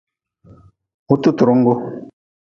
Hututrungu.